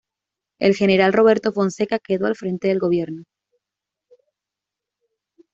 El general Roberto Fonseca quedó al frente del gobierno.